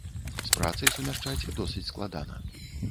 З працай сумяшчаць досыць складана.